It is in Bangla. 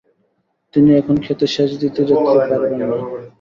তিনি এখন ক্ষেতে সেচ দিতে যেতে পারবেন না।